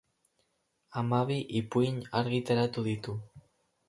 Hamabi ipuin argitaratu ditu.